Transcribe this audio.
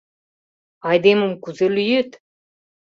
Айдемым кузе лӱет?